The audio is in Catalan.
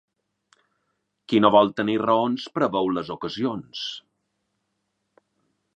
Qui no vol tenir raons preveu les ocasions.